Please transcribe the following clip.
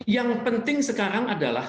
yang penting sekarang adalah